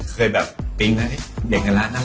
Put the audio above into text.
เคยแบบปิ๊งไหมเด็กกับร้านนั้น